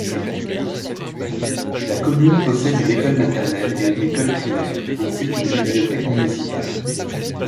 La commune possède une école maternelle et une école primaire, ainsi qu'une bibliothèque municipale.